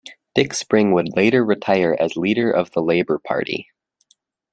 Dick Spring would later retire as leader of the Labour Party.